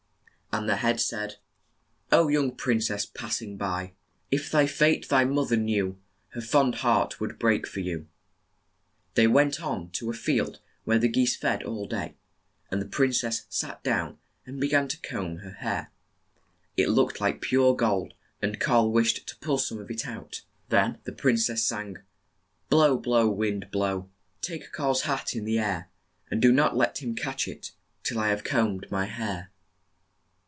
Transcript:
and the head said, THE GOOSE GIRL 47 "O, young prin cess, pass ing by, If thy fate thy moth er knew, Her fond heart would break for you ! They went on to a field where the geese fed all day, and the prin cess sat down and be gan to comb her hair. It looked like pure gold, and Karl wished to pull some of it out. Then the prin cess sang, "Blow, blow, wind blow; Take Karl's hat in the air; And do not let him catch it Till I have combed my hair."